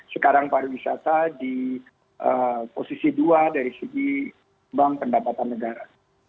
sekarang pariwisata di posisi dua dari segi bank pendapatan negara